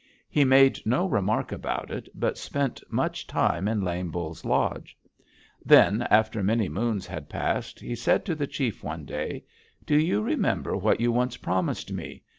He made no remark about it, but spent much time in Lame Bull's lodge. Then, after many moons had passed, he said to the chief one day: 'Do you remember what you once promised me?